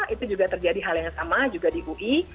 itu juga terjadi hal yang sama juga di ui